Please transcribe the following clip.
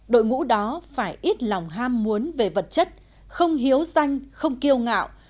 đội ngũ đó phải ít lòng ham muốn về vật chất không hiếu danh không kiêu ngạo